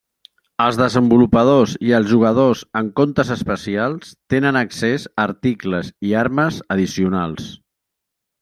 Els desenvolupadors i els jugadors amb comptes especials tenen accés a articles i armes addicionals.